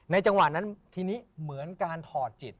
จังหวะนั้นทีนี้เหมือนการถอดจิต